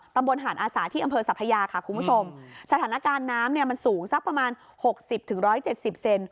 ตำบลหาดอาสาที่อำเภอสัพยาค่ะคุณผู้ชมสถานการณ์น้ำเนี่ยมันสูงสักประมาณหกสิบถึงร้อยเจ็ดสิบเซน